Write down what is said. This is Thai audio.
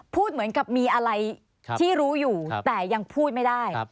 พูดเหมือนกับมีอะไรที่รู้อยู่แต่ยังพูดไม่ได้